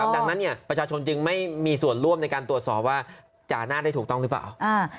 ดังนั้นประชาชนจึงไม่มีส่วนร่วมในการตรวจสอบว่าจ่าหน้าได้ถูกต้องหรือเปล่า